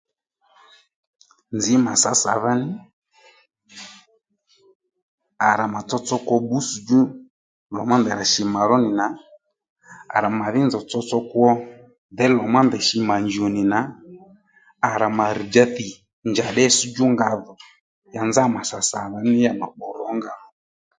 Nzǐ mà sǎ sàdha ní à rà mà tsotso kwo bbǔwss̀djú lò má ndèy rà shì mà ró nì nà à rà màdhí nzòw tsotso kwo děy lò má ndèy shì mà njìò nì nà à rà mà rr̀dja thì njàddí itsś djúnga dhò ya nzá mà sà sàdha ní mà pbò rǒnga